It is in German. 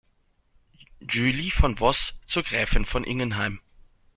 Julie von Voss zur Gräfin von Ingenheim.